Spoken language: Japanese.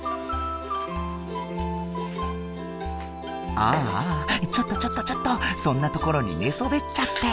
ああちょっとちょっとちょっとそんな所に寝そべっちゃって。